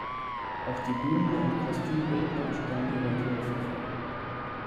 Auch die Bühnen- und Kostümbildner stellen ihre Entwürfe vor.